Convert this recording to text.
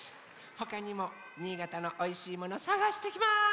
ほかにも新潟のおいしいものさがしてきます！